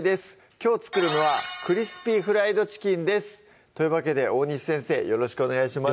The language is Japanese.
きょう作るのは「クリスピーフライドチキン」ですというわけで大西先生よろしくお願いします